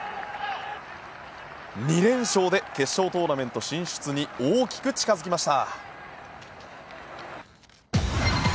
２連勝で決勝トーナメント進出に大きく近づきました。